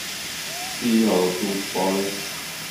See how the soot's falling.